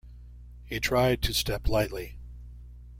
He tried to step lightly.